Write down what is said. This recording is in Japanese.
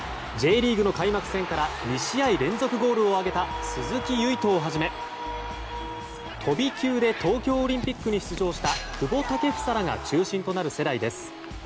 Ｊリーグの開幕戦から２試合連続ゴールを挙げた鈴木唯人をはじめ飛び級で東京オリンピックに出場した久保建英らが中心となる世代です。